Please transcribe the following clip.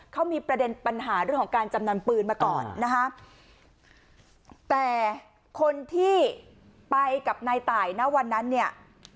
เขามีประเด็นปัญหาเรื่องของการจำนำปืนมาก่อนนะฮะแต่คนที่ไปกับนายตายณวันนั้นเนี่ย